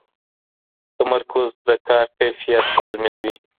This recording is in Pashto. تمرکز د کار کیفیت تضمینوي.